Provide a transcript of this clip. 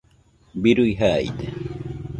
birui jaide